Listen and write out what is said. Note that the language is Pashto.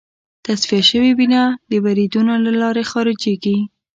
تصفیه شوې وینه د وریدونو له لارې خارجېږي.